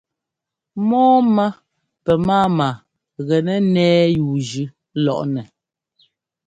Mɔ́ɔmá pɛ máama gɛnɛ́ ńnɛ́ɛ yúujʉ́ lɔꞌnɛ.